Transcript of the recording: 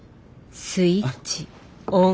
スイッチオン。